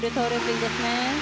いいですね！